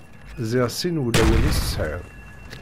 Ziɣ sin wulawen i tesɛiḍ.